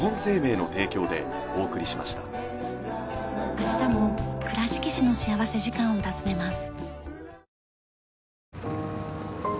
明日も倉敷市の幸福時間を訪ねます。